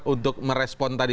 untuk merespon tadi